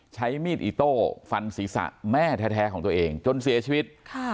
ใช้มีดอิโต้ฟันศีรษะแม่แท้ของตัวเองจนเสียชีวิต